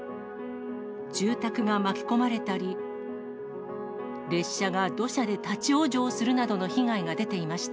住宅が巻き込まれたり、列車が土砂で立往生するなどの被害が出ていました。